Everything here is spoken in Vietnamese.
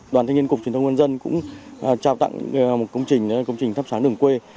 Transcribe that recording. đoàn thanh niên cục truyền thông công an nhân cũng trao tặng một công trình thắp sáng đường quê